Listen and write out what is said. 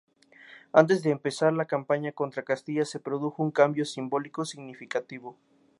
Antes de empezar la campaña contra Castilla, se produjo un cambio simbólico significativo.